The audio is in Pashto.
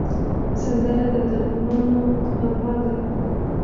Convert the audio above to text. سندره د دردمندو نغمه ده